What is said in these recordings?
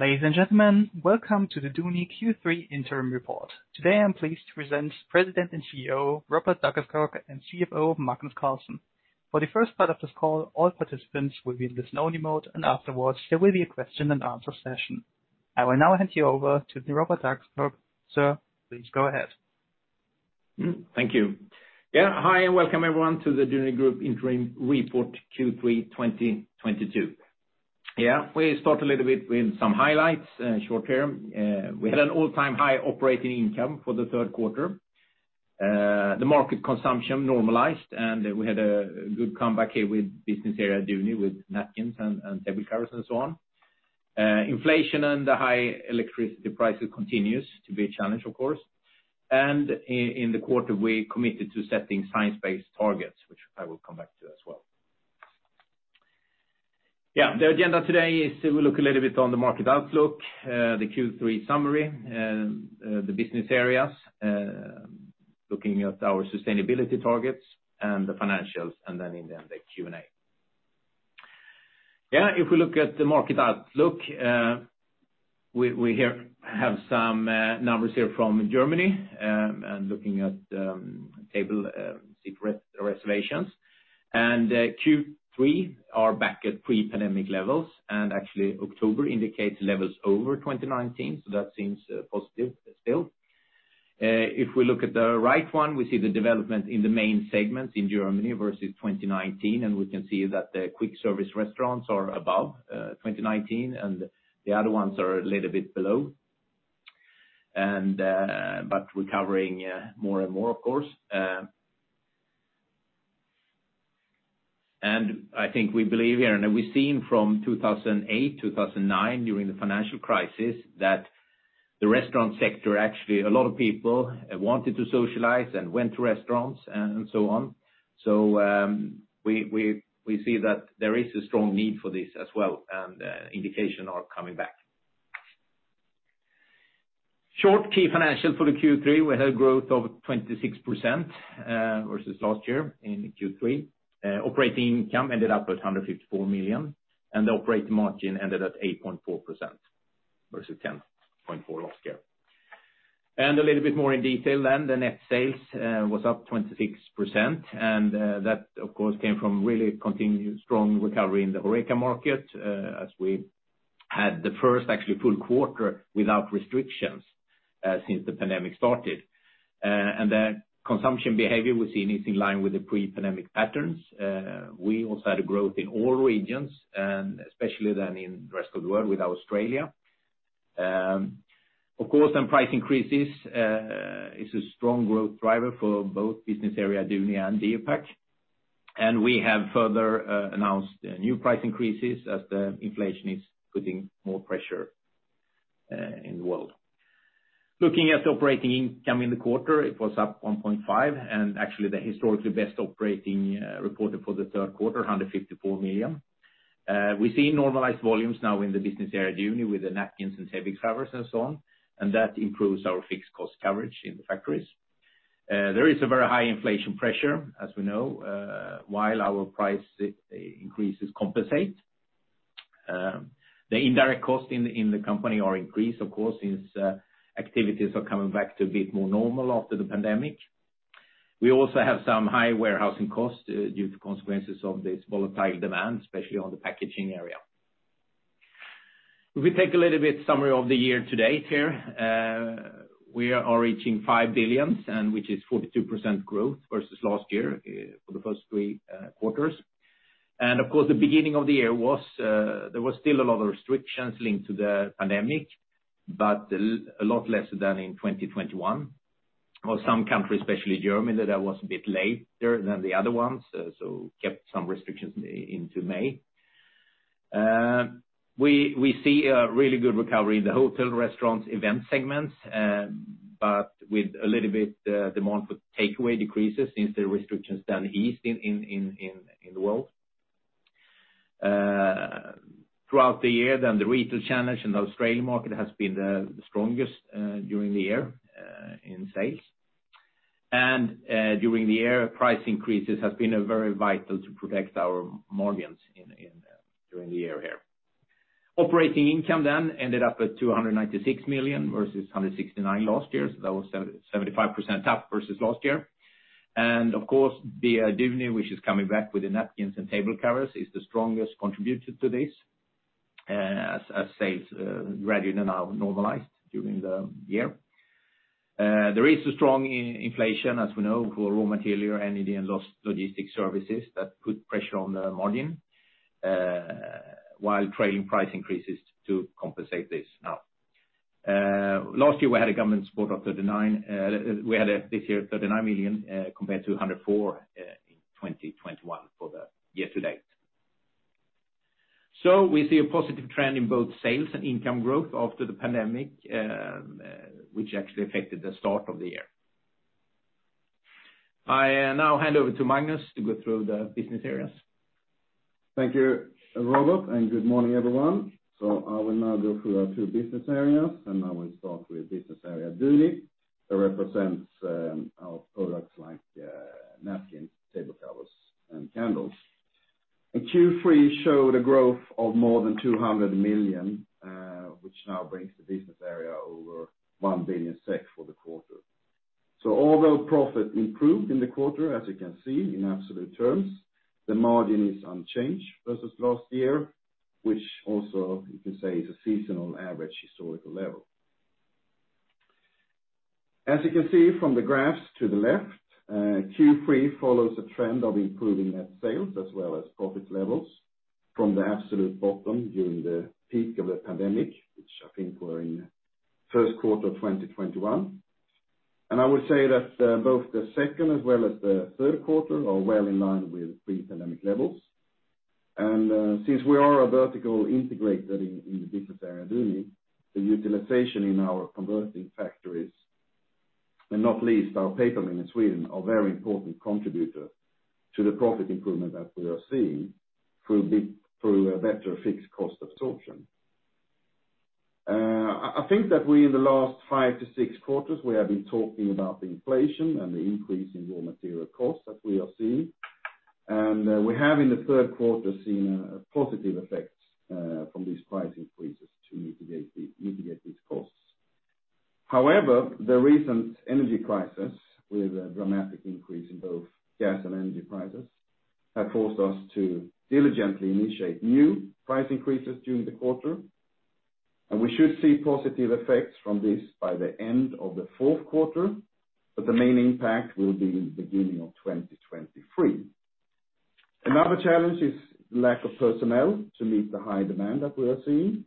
Ladies and gentlemen, welcome to the Duni Q3 Interim Report. Today, I'm pleased to present President and CEO Robert Dackeskog and CFO Magnus Carlsson. For the first part of this call, all participants will be in listen only mode, and afterwards, there will be a question and answer session. I will now hand you over to Robert Dackeskog. Sir, please go ahead. Thank you. Yeah. Hi, and welcome everyone to the Duni Group Interim Report Q3 2022. Yeah, we start a little bit with some highlights, short term. We had an all-time high operating income for the third quarter. The market consumption normalized, and we had a good comeback here with business area Duni with napkins and table covers and so on. Inflation and the high electricity prices continues to be a challenge, of course. In the quarter, we committed to setting Science-Based Targets, which I will come back to as well. Yeah, the agenda today is to look a little bit on the market outlook, the Q3 summary, the business areas, looking at our sustainability targets and the Financials, and then in the end, the Q&A. Yeah, if we look at the market outlook, we here have some numbers here from Germany, and looking at table seat reservations. Q3 are back at pre-pandemic levels, and actually October indicates levels over 2019, so that seems positive still. If we look at the right one, we see the development in the main segments in Germany versus 2019, and we can see that the quick service restaurants are above 2019, and the other ones are a little bit below, but recovering more and more, of course. I think we believe here, and we've seen from 2008, 2009 during the financial crisis, that the restaurant sector, actually a lot of people wanted to socialize and went to restaurants and so on. We see that there is a strong need for this as well, and indications are coming back. Key financials for Q3, we had a growth of 26% versus last year in Q3. Operating income ended up at 154 million, and the operating margin ended at 8.4% versus 10.4% last year. A little bit more in detail then, net sales was up 26%, and that of course came from really continued strong recovery in the HORECA market, as we had the first actually full quarter without restrictions since the pandemic started. The consumption behavior we're seeing is in line with the pre-pandemic patterns. We also had a growth in all regions, and especially then in the rest of the world with Australia. Of course, some price increases are a strong growth driver for both business area Duni and BioPak. We have further announced new price increases as the inflation is putting more pressure in the world. Looking at operating income in the quarter, it was up 1.5%, and actually the historically best operating reported for the third quarter, 154 million. We see normalized volumes now in the business area Duni with the napkins and table covers and so on, and that improves our fixed cost coverage in the factories. There is a very high inflation pressure, as we know. While our price increases compensate, the indirect costs in the company are increased, of course, since activities are coming back to a bit more normal after the pandemic. We also have some high warehousing costs, due to consequences of this volatile demand, especially on the packaging area. If we take a little bit summary of the year to date here, we are reaching 5 billion, which is 42% growth versus last year, for the first three quarters. Of course, the beginning of the year was, there was still a lot of restrictions linked to the pandemic, but a lot less than in 2021. For some countries, especially Germany, that was a bit later than the other ones, so kept some restrictions into May. We see a really good recovery in the hotel, restaurants, event segments, but with a little bit demand for takeaway decreases since the restrictions then eased in the world. Throughout the year, the retail channel in the Australian market has been the strongest during the year in sales. During the year, price increases have been very vital to protect our margins in during the year here. Operating income ended up at 296 million versus 169 last year. That was 75% up versus last year. Of course, Duni, which is coming back with the napkins and table covers, is the strongest contributor to this, as sales gradually now normalized during the year. There is a strong inflation, as we know, for raw material, energy and logistic services that put pressure on the margin, while trailing price increases to compensate this now. Last year, we had a government support of 39 million. We had this year 39 million compared to 104 in 2021 for the year to date. We see a positive trend in both sales and income growth after the pandemic, which actually affected the start of the year. I now hand over to Magnus to go through the business areas. Thank you, Robert, and good morning, everyone. I will now go through our two business areas, and I will start with business area Duni. That represents our products like napkins, table covers, and candles. In Q3 showed a growth of more than 200 million, which now brings the business area over 1 billion SEK for the quarter. Although profit improved in the quarter, as you can see in absolute terms, the margin is unchanged versus last year, which also you can say is a seasonal average historical level. As you can see from the graphs to the left, Q3 follows a trend of improving net sales as well as profit levels from the absolute bottom during the peak of the pandemic, which I think were in first quarter of 2021. I would say that both the second as well as the third quarter are well in line with pre-pandemic levels. Since we are a vertical integrator in the business area Duni, the utilization in our converting factories, and not least our paper mill in Sweden, are very important contributor to the profit improvement that we are seeing through a better fixed cost absorption. I think that we in the last five to six quarters, we have been talking about the inflation and the increase in raw material costs that we are seeing. We have in the third quarter seen a positive effects from these price increases to mitigate these costs. However, the recent energy crisis with a dramatic increase in both gas and energy prices, have forced us to diligently initiate new price increases during the quarter. We should see positive effects from this by the end of the fourth quarter, but the main impact will be in the beginning of 2023. Another challenge is lack of personnel to meet the high demand that we are seeing.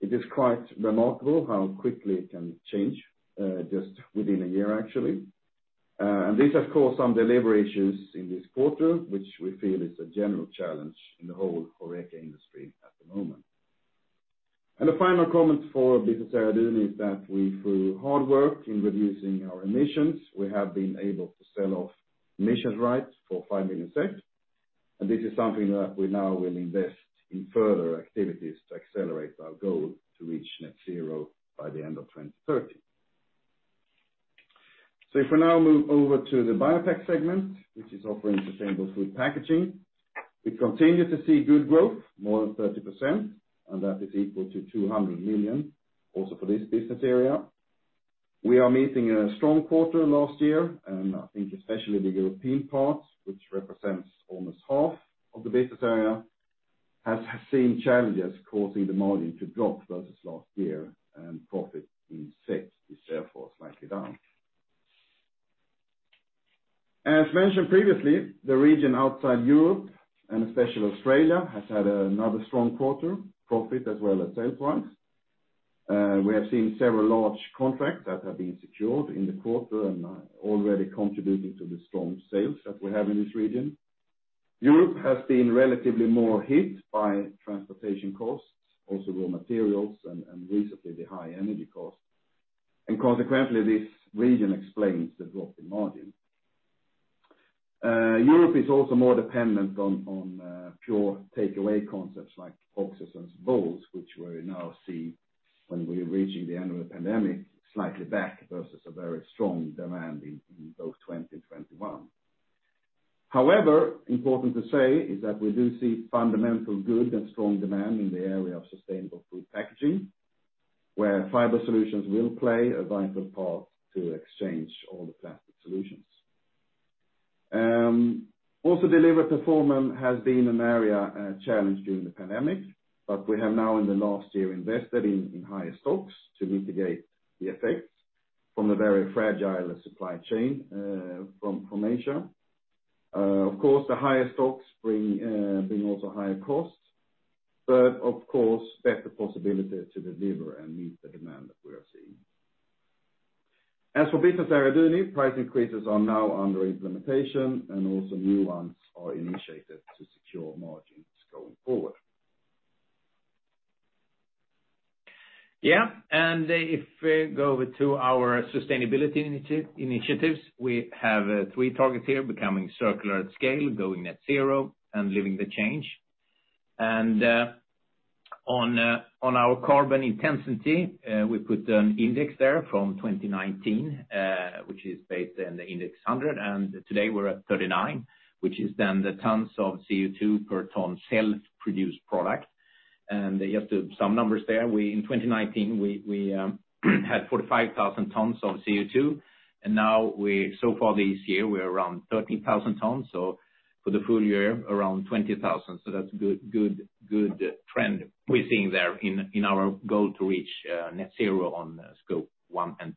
It is quite remarkable how quickly it can change, just within a year, actually. This has caused some delivery issues in this quarter, which we feel is a general challenge in the whole HORECA industry at the moment. The final comment for business area Duni is that we, through hard work in reducing our emissions, we have been able to sell off emissions rights for 5 million. This is something that we now will invest in further activities to accelerate our goal to reach Net Zero by the end of 2030. If we now move over to the BioPak segment, which is offering sustainable food packaging, we continue to see good growth more than 30%, and that is equal to 200 million also for this business area. We are meeting a strong quarter last year, and I think especially the European parts, which represents almost half of the business area, has seen challenges causing the margin to drop versus last year, and profit in SEK is therefore slightly down. As mentioned previously, the region outside Europe, and especially Australia, has had another strong quarter profit as well as sales wise. We have seen several large contracts that have been secured in the quarter and are already contributing to the strong sales that we have in this region. Europe has been relatively more hit by transportation costs, also raw materials and recently the high energy costs. Consequently, this region explains the drop in margin. Europe is also more dependent on pure takeaway concepts like boxes and bowls, which we now see when we're reaching the end of the pandemic, slightly back versus a very strong demand in both 2020-2021. However, important to say is that we do see fundamental good and strong demand in the area of sustainable food packaging, where fiber solutions will play a vital part to exchange all the plastic solutions. Also delivery performance has been an area challenged during the pandemic, but we have now in the last year invested in higher stocks to mitigate the effects from the very fragile supply chain from Asia. Of course, the higher stocks bring also higher costs, but of course better possibility to deliver and meet the demand that we are seeing. As for business area Duni, price increases are now under implementation and also new ones are initiated to secure margins going forward. Yeah. If we go over to our sustainability initiatives, we have three targets here becoming circular at scale, going Net Zero and living the change. On our carbon intensity, we put an index there from 2019, which is based on the index 100, and today we're at 39, which is then the tons of CO₂ per ton self-produced product. Just to some numbers there, in 2019 we had 45,000 tons of CO₂, and now so far this year we're around 13,000 tons, so for the full year around 20,000. That's good trend we're seeing there in our goal to reach Net Zero on Scope 1 and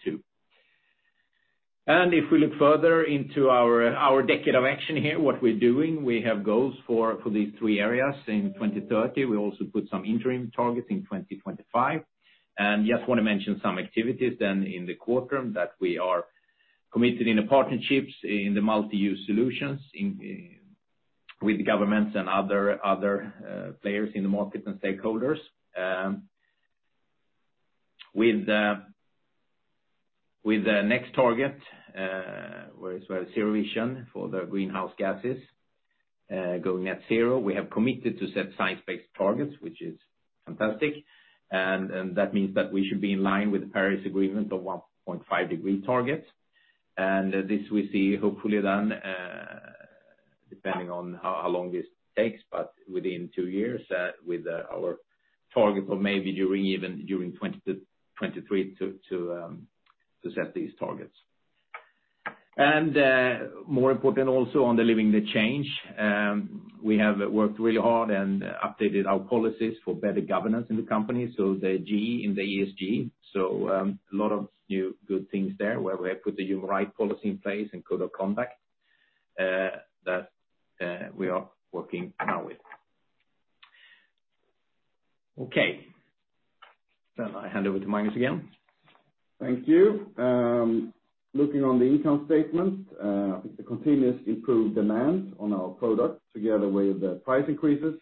2. If we look further into our decade of action here, what we're doing, we have goals for these three areas. In 2030, we also put some interim targets in 2025. Just wanna mention some activities then in the quarter that we are committed to the partnerships in the multi-use solutions with governments and other players in the market and stakeholders. With the next target, Net Zero vision for the greenhouse gases, going Net Zero, we have committed to set Science-Based Targets, which is fantastic. That means that we should be in line with the Paris Agreement of 1.5 degree targets. This we see hopefully then, depending on how long this takes, but within two years, with our target or maybe during, even during 2020-2023 to set these targets. More important also on delivering the change, we have worked really hard and updated our policies for better governance in the company, so the G in the ESG. A lot of new good things there where we have put the human rights policy in place and code of conduct that we are working now with. Okay. I hand over to Magnus again. Thank you. Looking on the income statement, I think the continuously improving demand on our products together with the price increases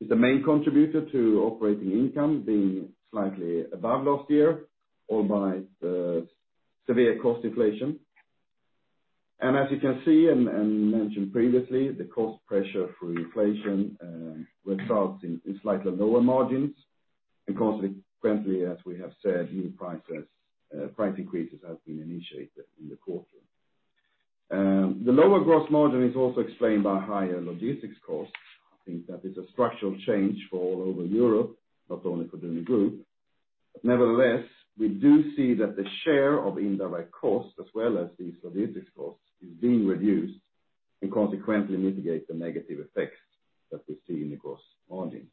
is the main contributor to operating income being slightly above last year despite severe cost inflation. As you can see, as mentioned previously, the cost pressure through inflation results in slightly lower margins. Consequently, as we have said, price increases have been initiated in the quarter. The lower gross margin is also explained by higher logistics costs. I think that is a structural change all over Europe, not only for Duni Group. Nevertheless, we do see that the share of indirect costs as well as these logistics costs is being reduced and consequently mitigate the negative effects that we see in the gross margin.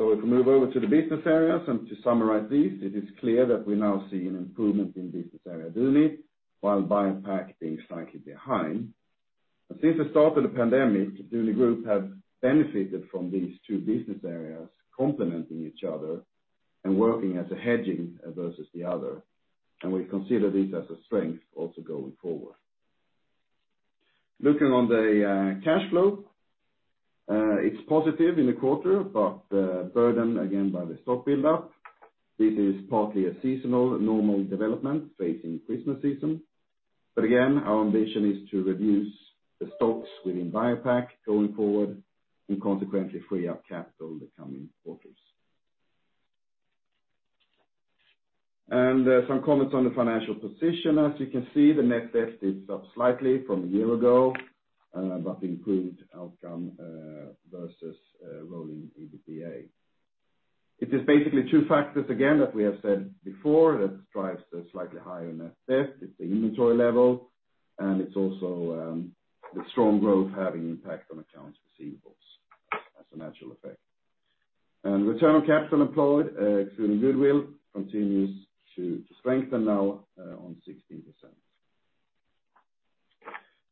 If we move over to the business areas and to summarize these, it is clear that we now see an improvement in business area Duni, while BioPak being slightly behind. Since the start of the pandemic, Duni Group have benefited from these two business areas complementing each other and working as a hedging versus the other, and we consider this as a strength also going forward. Looking on the cash flow, it's positive in the quarter, but burdened again by the stock buildup. It is partly a seasonal normal development facing Christmas season. Again, our ambition is to reduce the stocks within BioPak going forward and consequently free up capital in the coming quarters. Some comments on the financial position. As you can see, the net debt is up slightly from a year ago, but improved outcome versus rolling EBITDA. It is basically two factors again that we have said before that drives the slightly higher net debt. It's the inventory level, and it's also the strong growth having impact on accounts receivables as a natural effect. Return on Capital Employed, excluding goodwill, continues to strengthen now, on 16%.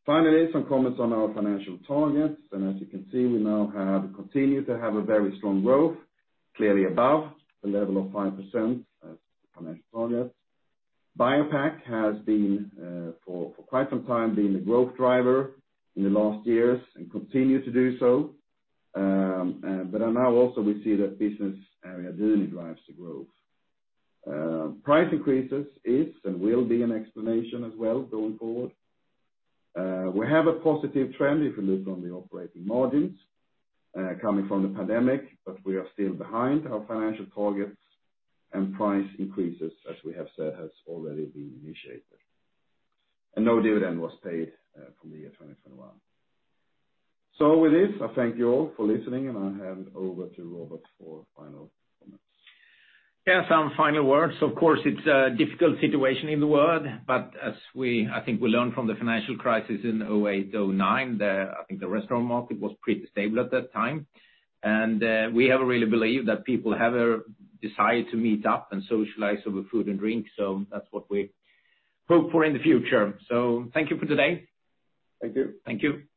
Finally, some comments on our financial targets. As you can see, we now have continued to have a very strong growth, clearly above the level of 5% as the financial target. BioPak has been for quite some time the growth driver in the last years and continue to do so. Now also we see that business area Duni drives the growth. Price increases is and will be an explanation as well going forward. We have a positive trend if we look on the operating margins, coming from the pandemic, but we are still behind our financial targets and price increases, as we have said, has already been initiated. No dividend was paid for the year 2021. With this, I thank you all for listening, and I'll hand over to Robert for final comments. Yeah, some final words. Of course, it's a difficult situation in the world, but I think we learned from the financial crisis in 2008, 2009. I think the restaurant market was pretty stable at that time. We have a real belief that people have a desire to meet up and socialize over food and drinks, so that's what we hope for in the future. Thank you for today. Thank you. Thank you.